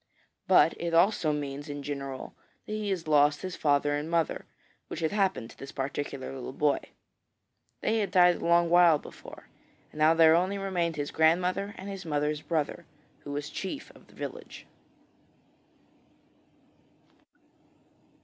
But it also means in general that he has lost his father and mother, which had happened to this particular little boy. They had died a long while before, and now there only remained his grandmother and his mother's brother, who was chief of the village.